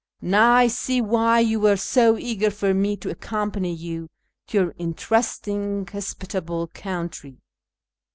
Xow I see why you were so eager for me to accompany you to your interesting, hospitable country.